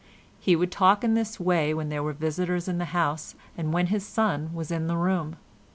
He would talk in this way when there were visitors in the house and when his son was in the room.